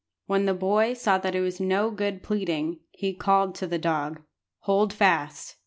When the boy saw that it was no good pleading, he called to the dog "Hold fast."